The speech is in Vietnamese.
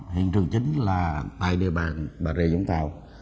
hiện trường chính là tại địa bàn bà rịa vũng tàu